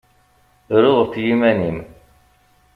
Ru ɣef yiman-im!